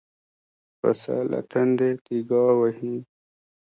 پسه له تندې تيګا وهي.